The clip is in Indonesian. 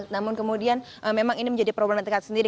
namun kemudian memang ini menjadi problematika sendiri